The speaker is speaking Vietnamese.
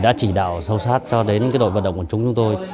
đã chỉ đạo sâu sát cho đến đội vận động của chúng chúng tôi